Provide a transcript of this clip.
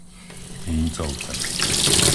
Hincovce